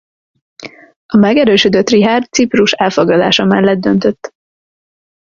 A megerősödött Richárd Ciprus elfoglalása mellett döntött.